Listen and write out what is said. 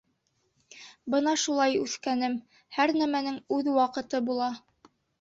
— Бына шулай, үҫкәнем, һәр нәмәнең үҙ ваҡыты була.